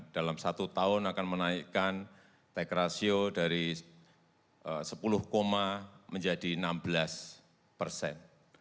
dalam satu tahun akan menaikkan tax ratio dari sepuluh menjadi enam belas persen